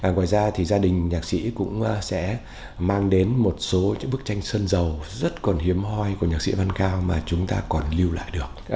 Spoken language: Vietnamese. ngoài ra thì gia đình nhạc sĩ cũng sẽ mang đến một số những bức tranh sơn dầu rất còn hiếm hoi của nhạc sĩ văn cao mà chúng ta còn lưu lại được